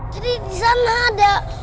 jadi di sana ada